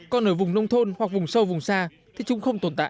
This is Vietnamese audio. còn ở vùng nông thôn hoặc vùng sâu vùng xa thì chúng không tồn tại